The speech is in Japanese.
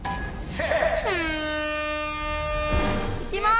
いきます！